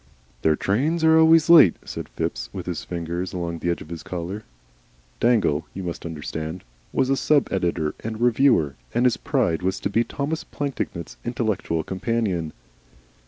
"Their trains are always late," said Phipps, with his fingers along the edge of his collar. Dangle, you must understand, was a sub editor and reviewer, and his pride was to be Thomas Plantagenet's intellectual companion.